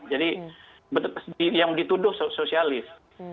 jadi yang dituduh sosialis